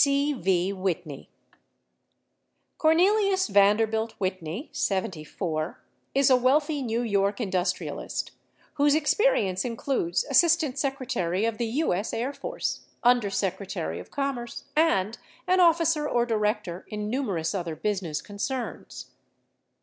504 C. C. V. Whitney Cornelius Vanderbilt Whitney, 74, is a wealthy New York indus trialist, whose experience includes Assistant Secretary of the U.S. Air Force, Under Secretary of Commerce, and an officer or director in numerous other business concerns.